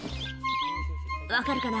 分かるかな？